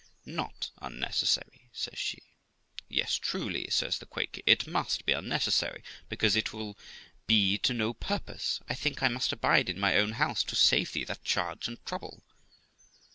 'Not unnecessary', says she. 'Yes, truly', says the Quaker; 'it must be unnecessary, because it will be to no purpose. I think I must abide in my own house to save thee that charge and trouble.'